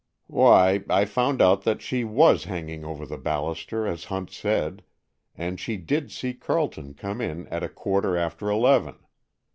"Why, I found out that she was hanging over the baluster, as Hunt said; and she did see Carleton come in at quarter after eleven.